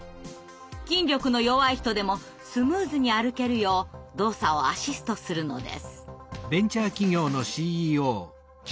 筋力の弱い人でもスムーズに歩けるよう動作をアシストするのです。